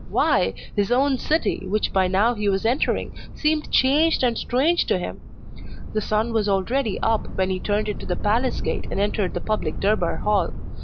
Why, his own city, which by now he was entering, seemed changed and strange to him! The sun was already up when he turned into the palace gate and entered the public durbar hall.